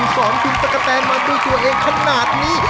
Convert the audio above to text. สอนปิงสกแทนมาด้วยตัวเองขนาดนี้